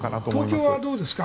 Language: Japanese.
東京はどうですか？